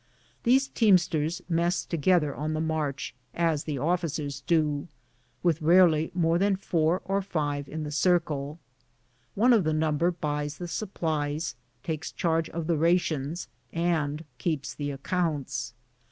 These teamsters mess together on the march as the officers do, with rarely more than four or five in the cir cle. One of the number buys the supplies, takes charge of the rations, and keeps the accounts.